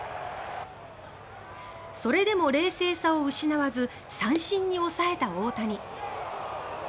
それでも冷静さを失わず三振に抑えた大谷。